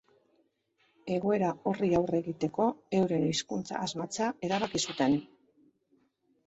Egoera horri aurre egiteko euren hizkuntza asmatzea erabaki zuten.